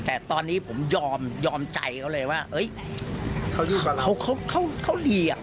แต่ตอนนี้ผมยอมใจเขาเลยว่าเฮ้ยเขาเหลี่ยง